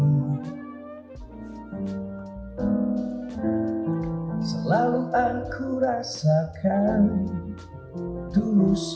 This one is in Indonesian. aku mengorbankannya alumni memperolehkan pemirsa